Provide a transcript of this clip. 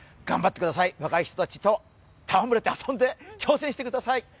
頑張ってください、若い人たちと戯れて遊んで挑戦してください。